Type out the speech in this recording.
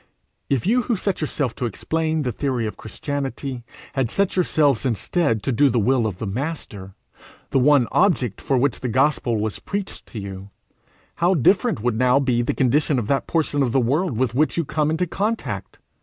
If you who set yourselves to explain the theory of Christianity, had set yourselves instead to do the will of the Master, the one object for which the Gospel was preached to you, how different would now be the condition of that portion of the world with which you come into contact!